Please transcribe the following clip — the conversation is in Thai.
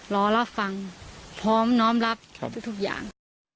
รอรับฟังพร้อมน้อมรับทุกอย่าง